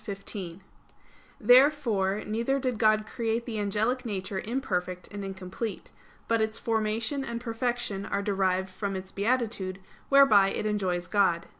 Therefore neither did God create the angelic nature imperfect and incomplete. But its formation and perfection are derived from its beatitude, whereby it enjoys God.